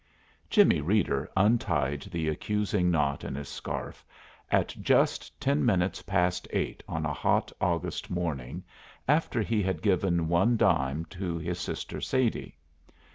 Jimmie Reeder untied the accusing knot in his scarf at just ten minutes past eight on a hot August morning after he had given one dime to his sister Sadie.